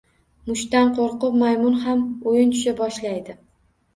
Mushtdan qoʻrqib maymun ham oʻyin tusha boshlaydi